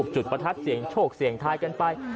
ประทัดเสียงโชคเสียงทายกันไป